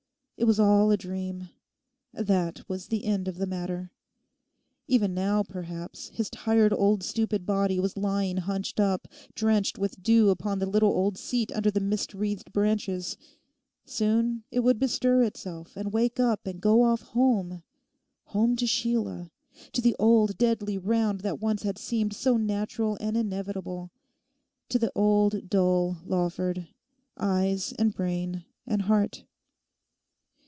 It was all a dream. That was the end of the matter. Even now, perhaps, his tired old stupid body was lying hunched up, drenched with dew upon the little old seat under the mist wreathed branches. Soon it would bestir itself and wake up and go off home—home to Sheila, to the old deadly round that once had seemed so natural and inevitable, to the old dull Lawford—eyes and brain and heart.